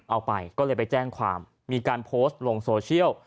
เอาไปก็เลยไปแจ้งความมีการโพสต์ลงโซเชียล